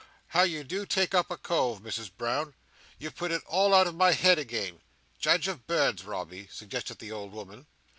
"How you do take up a cove, Misses Brown! You've put it all out of my head again." "Judge of birds, Robby," suggested the old woman.